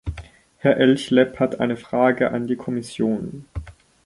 Herr Elchlepp hat eine Frage an die Kommission.